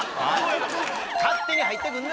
勝手に入ってくんな。